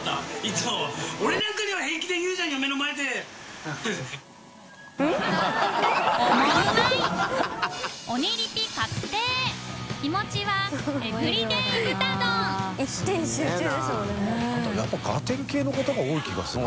戸次）やっぱガテン系の方が多い気がする。